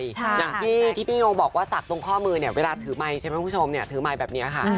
อย่างที่พี่พี่โงบอกว่าสักตรงข้อมือเวลาถือไมค์ถือไมค์แบบนี้ค่ะ